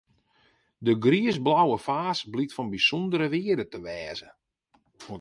Dy griisblauwe faas blykt fan bysûndere wearde te wêze.